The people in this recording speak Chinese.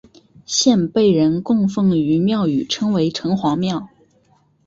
现被人供奉于庙宇称为城隍庙。